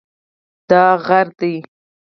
دا غر دی